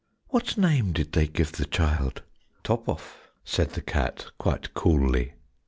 "What name did they give the child?" "Top off!" said the cat quite coolly.